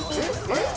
えっ？